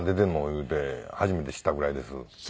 言うて初めて知ったぐらいです。